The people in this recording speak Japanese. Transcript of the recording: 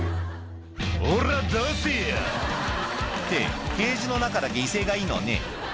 「おらぁ出せや！」ってケージの中だけ威勢がいいのね